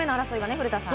古田さん。